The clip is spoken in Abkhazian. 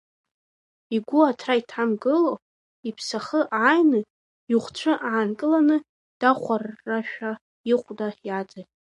Игәы аҭра иҭамгыло, иԥсахы ааины ихәцәы аанкыланы, дахәаррашәа ихәда иааҵагылт.